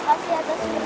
tapi hal dunia ini bening